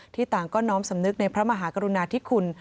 ต่างก็น้อมสำนึกในพระมหากรุณาธิคุณ